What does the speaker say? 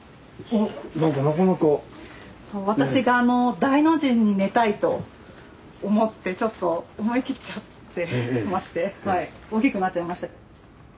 そう私が大の字に寝たいと思ってちょっと思い切っちゃってまして大きくなっちゃいました。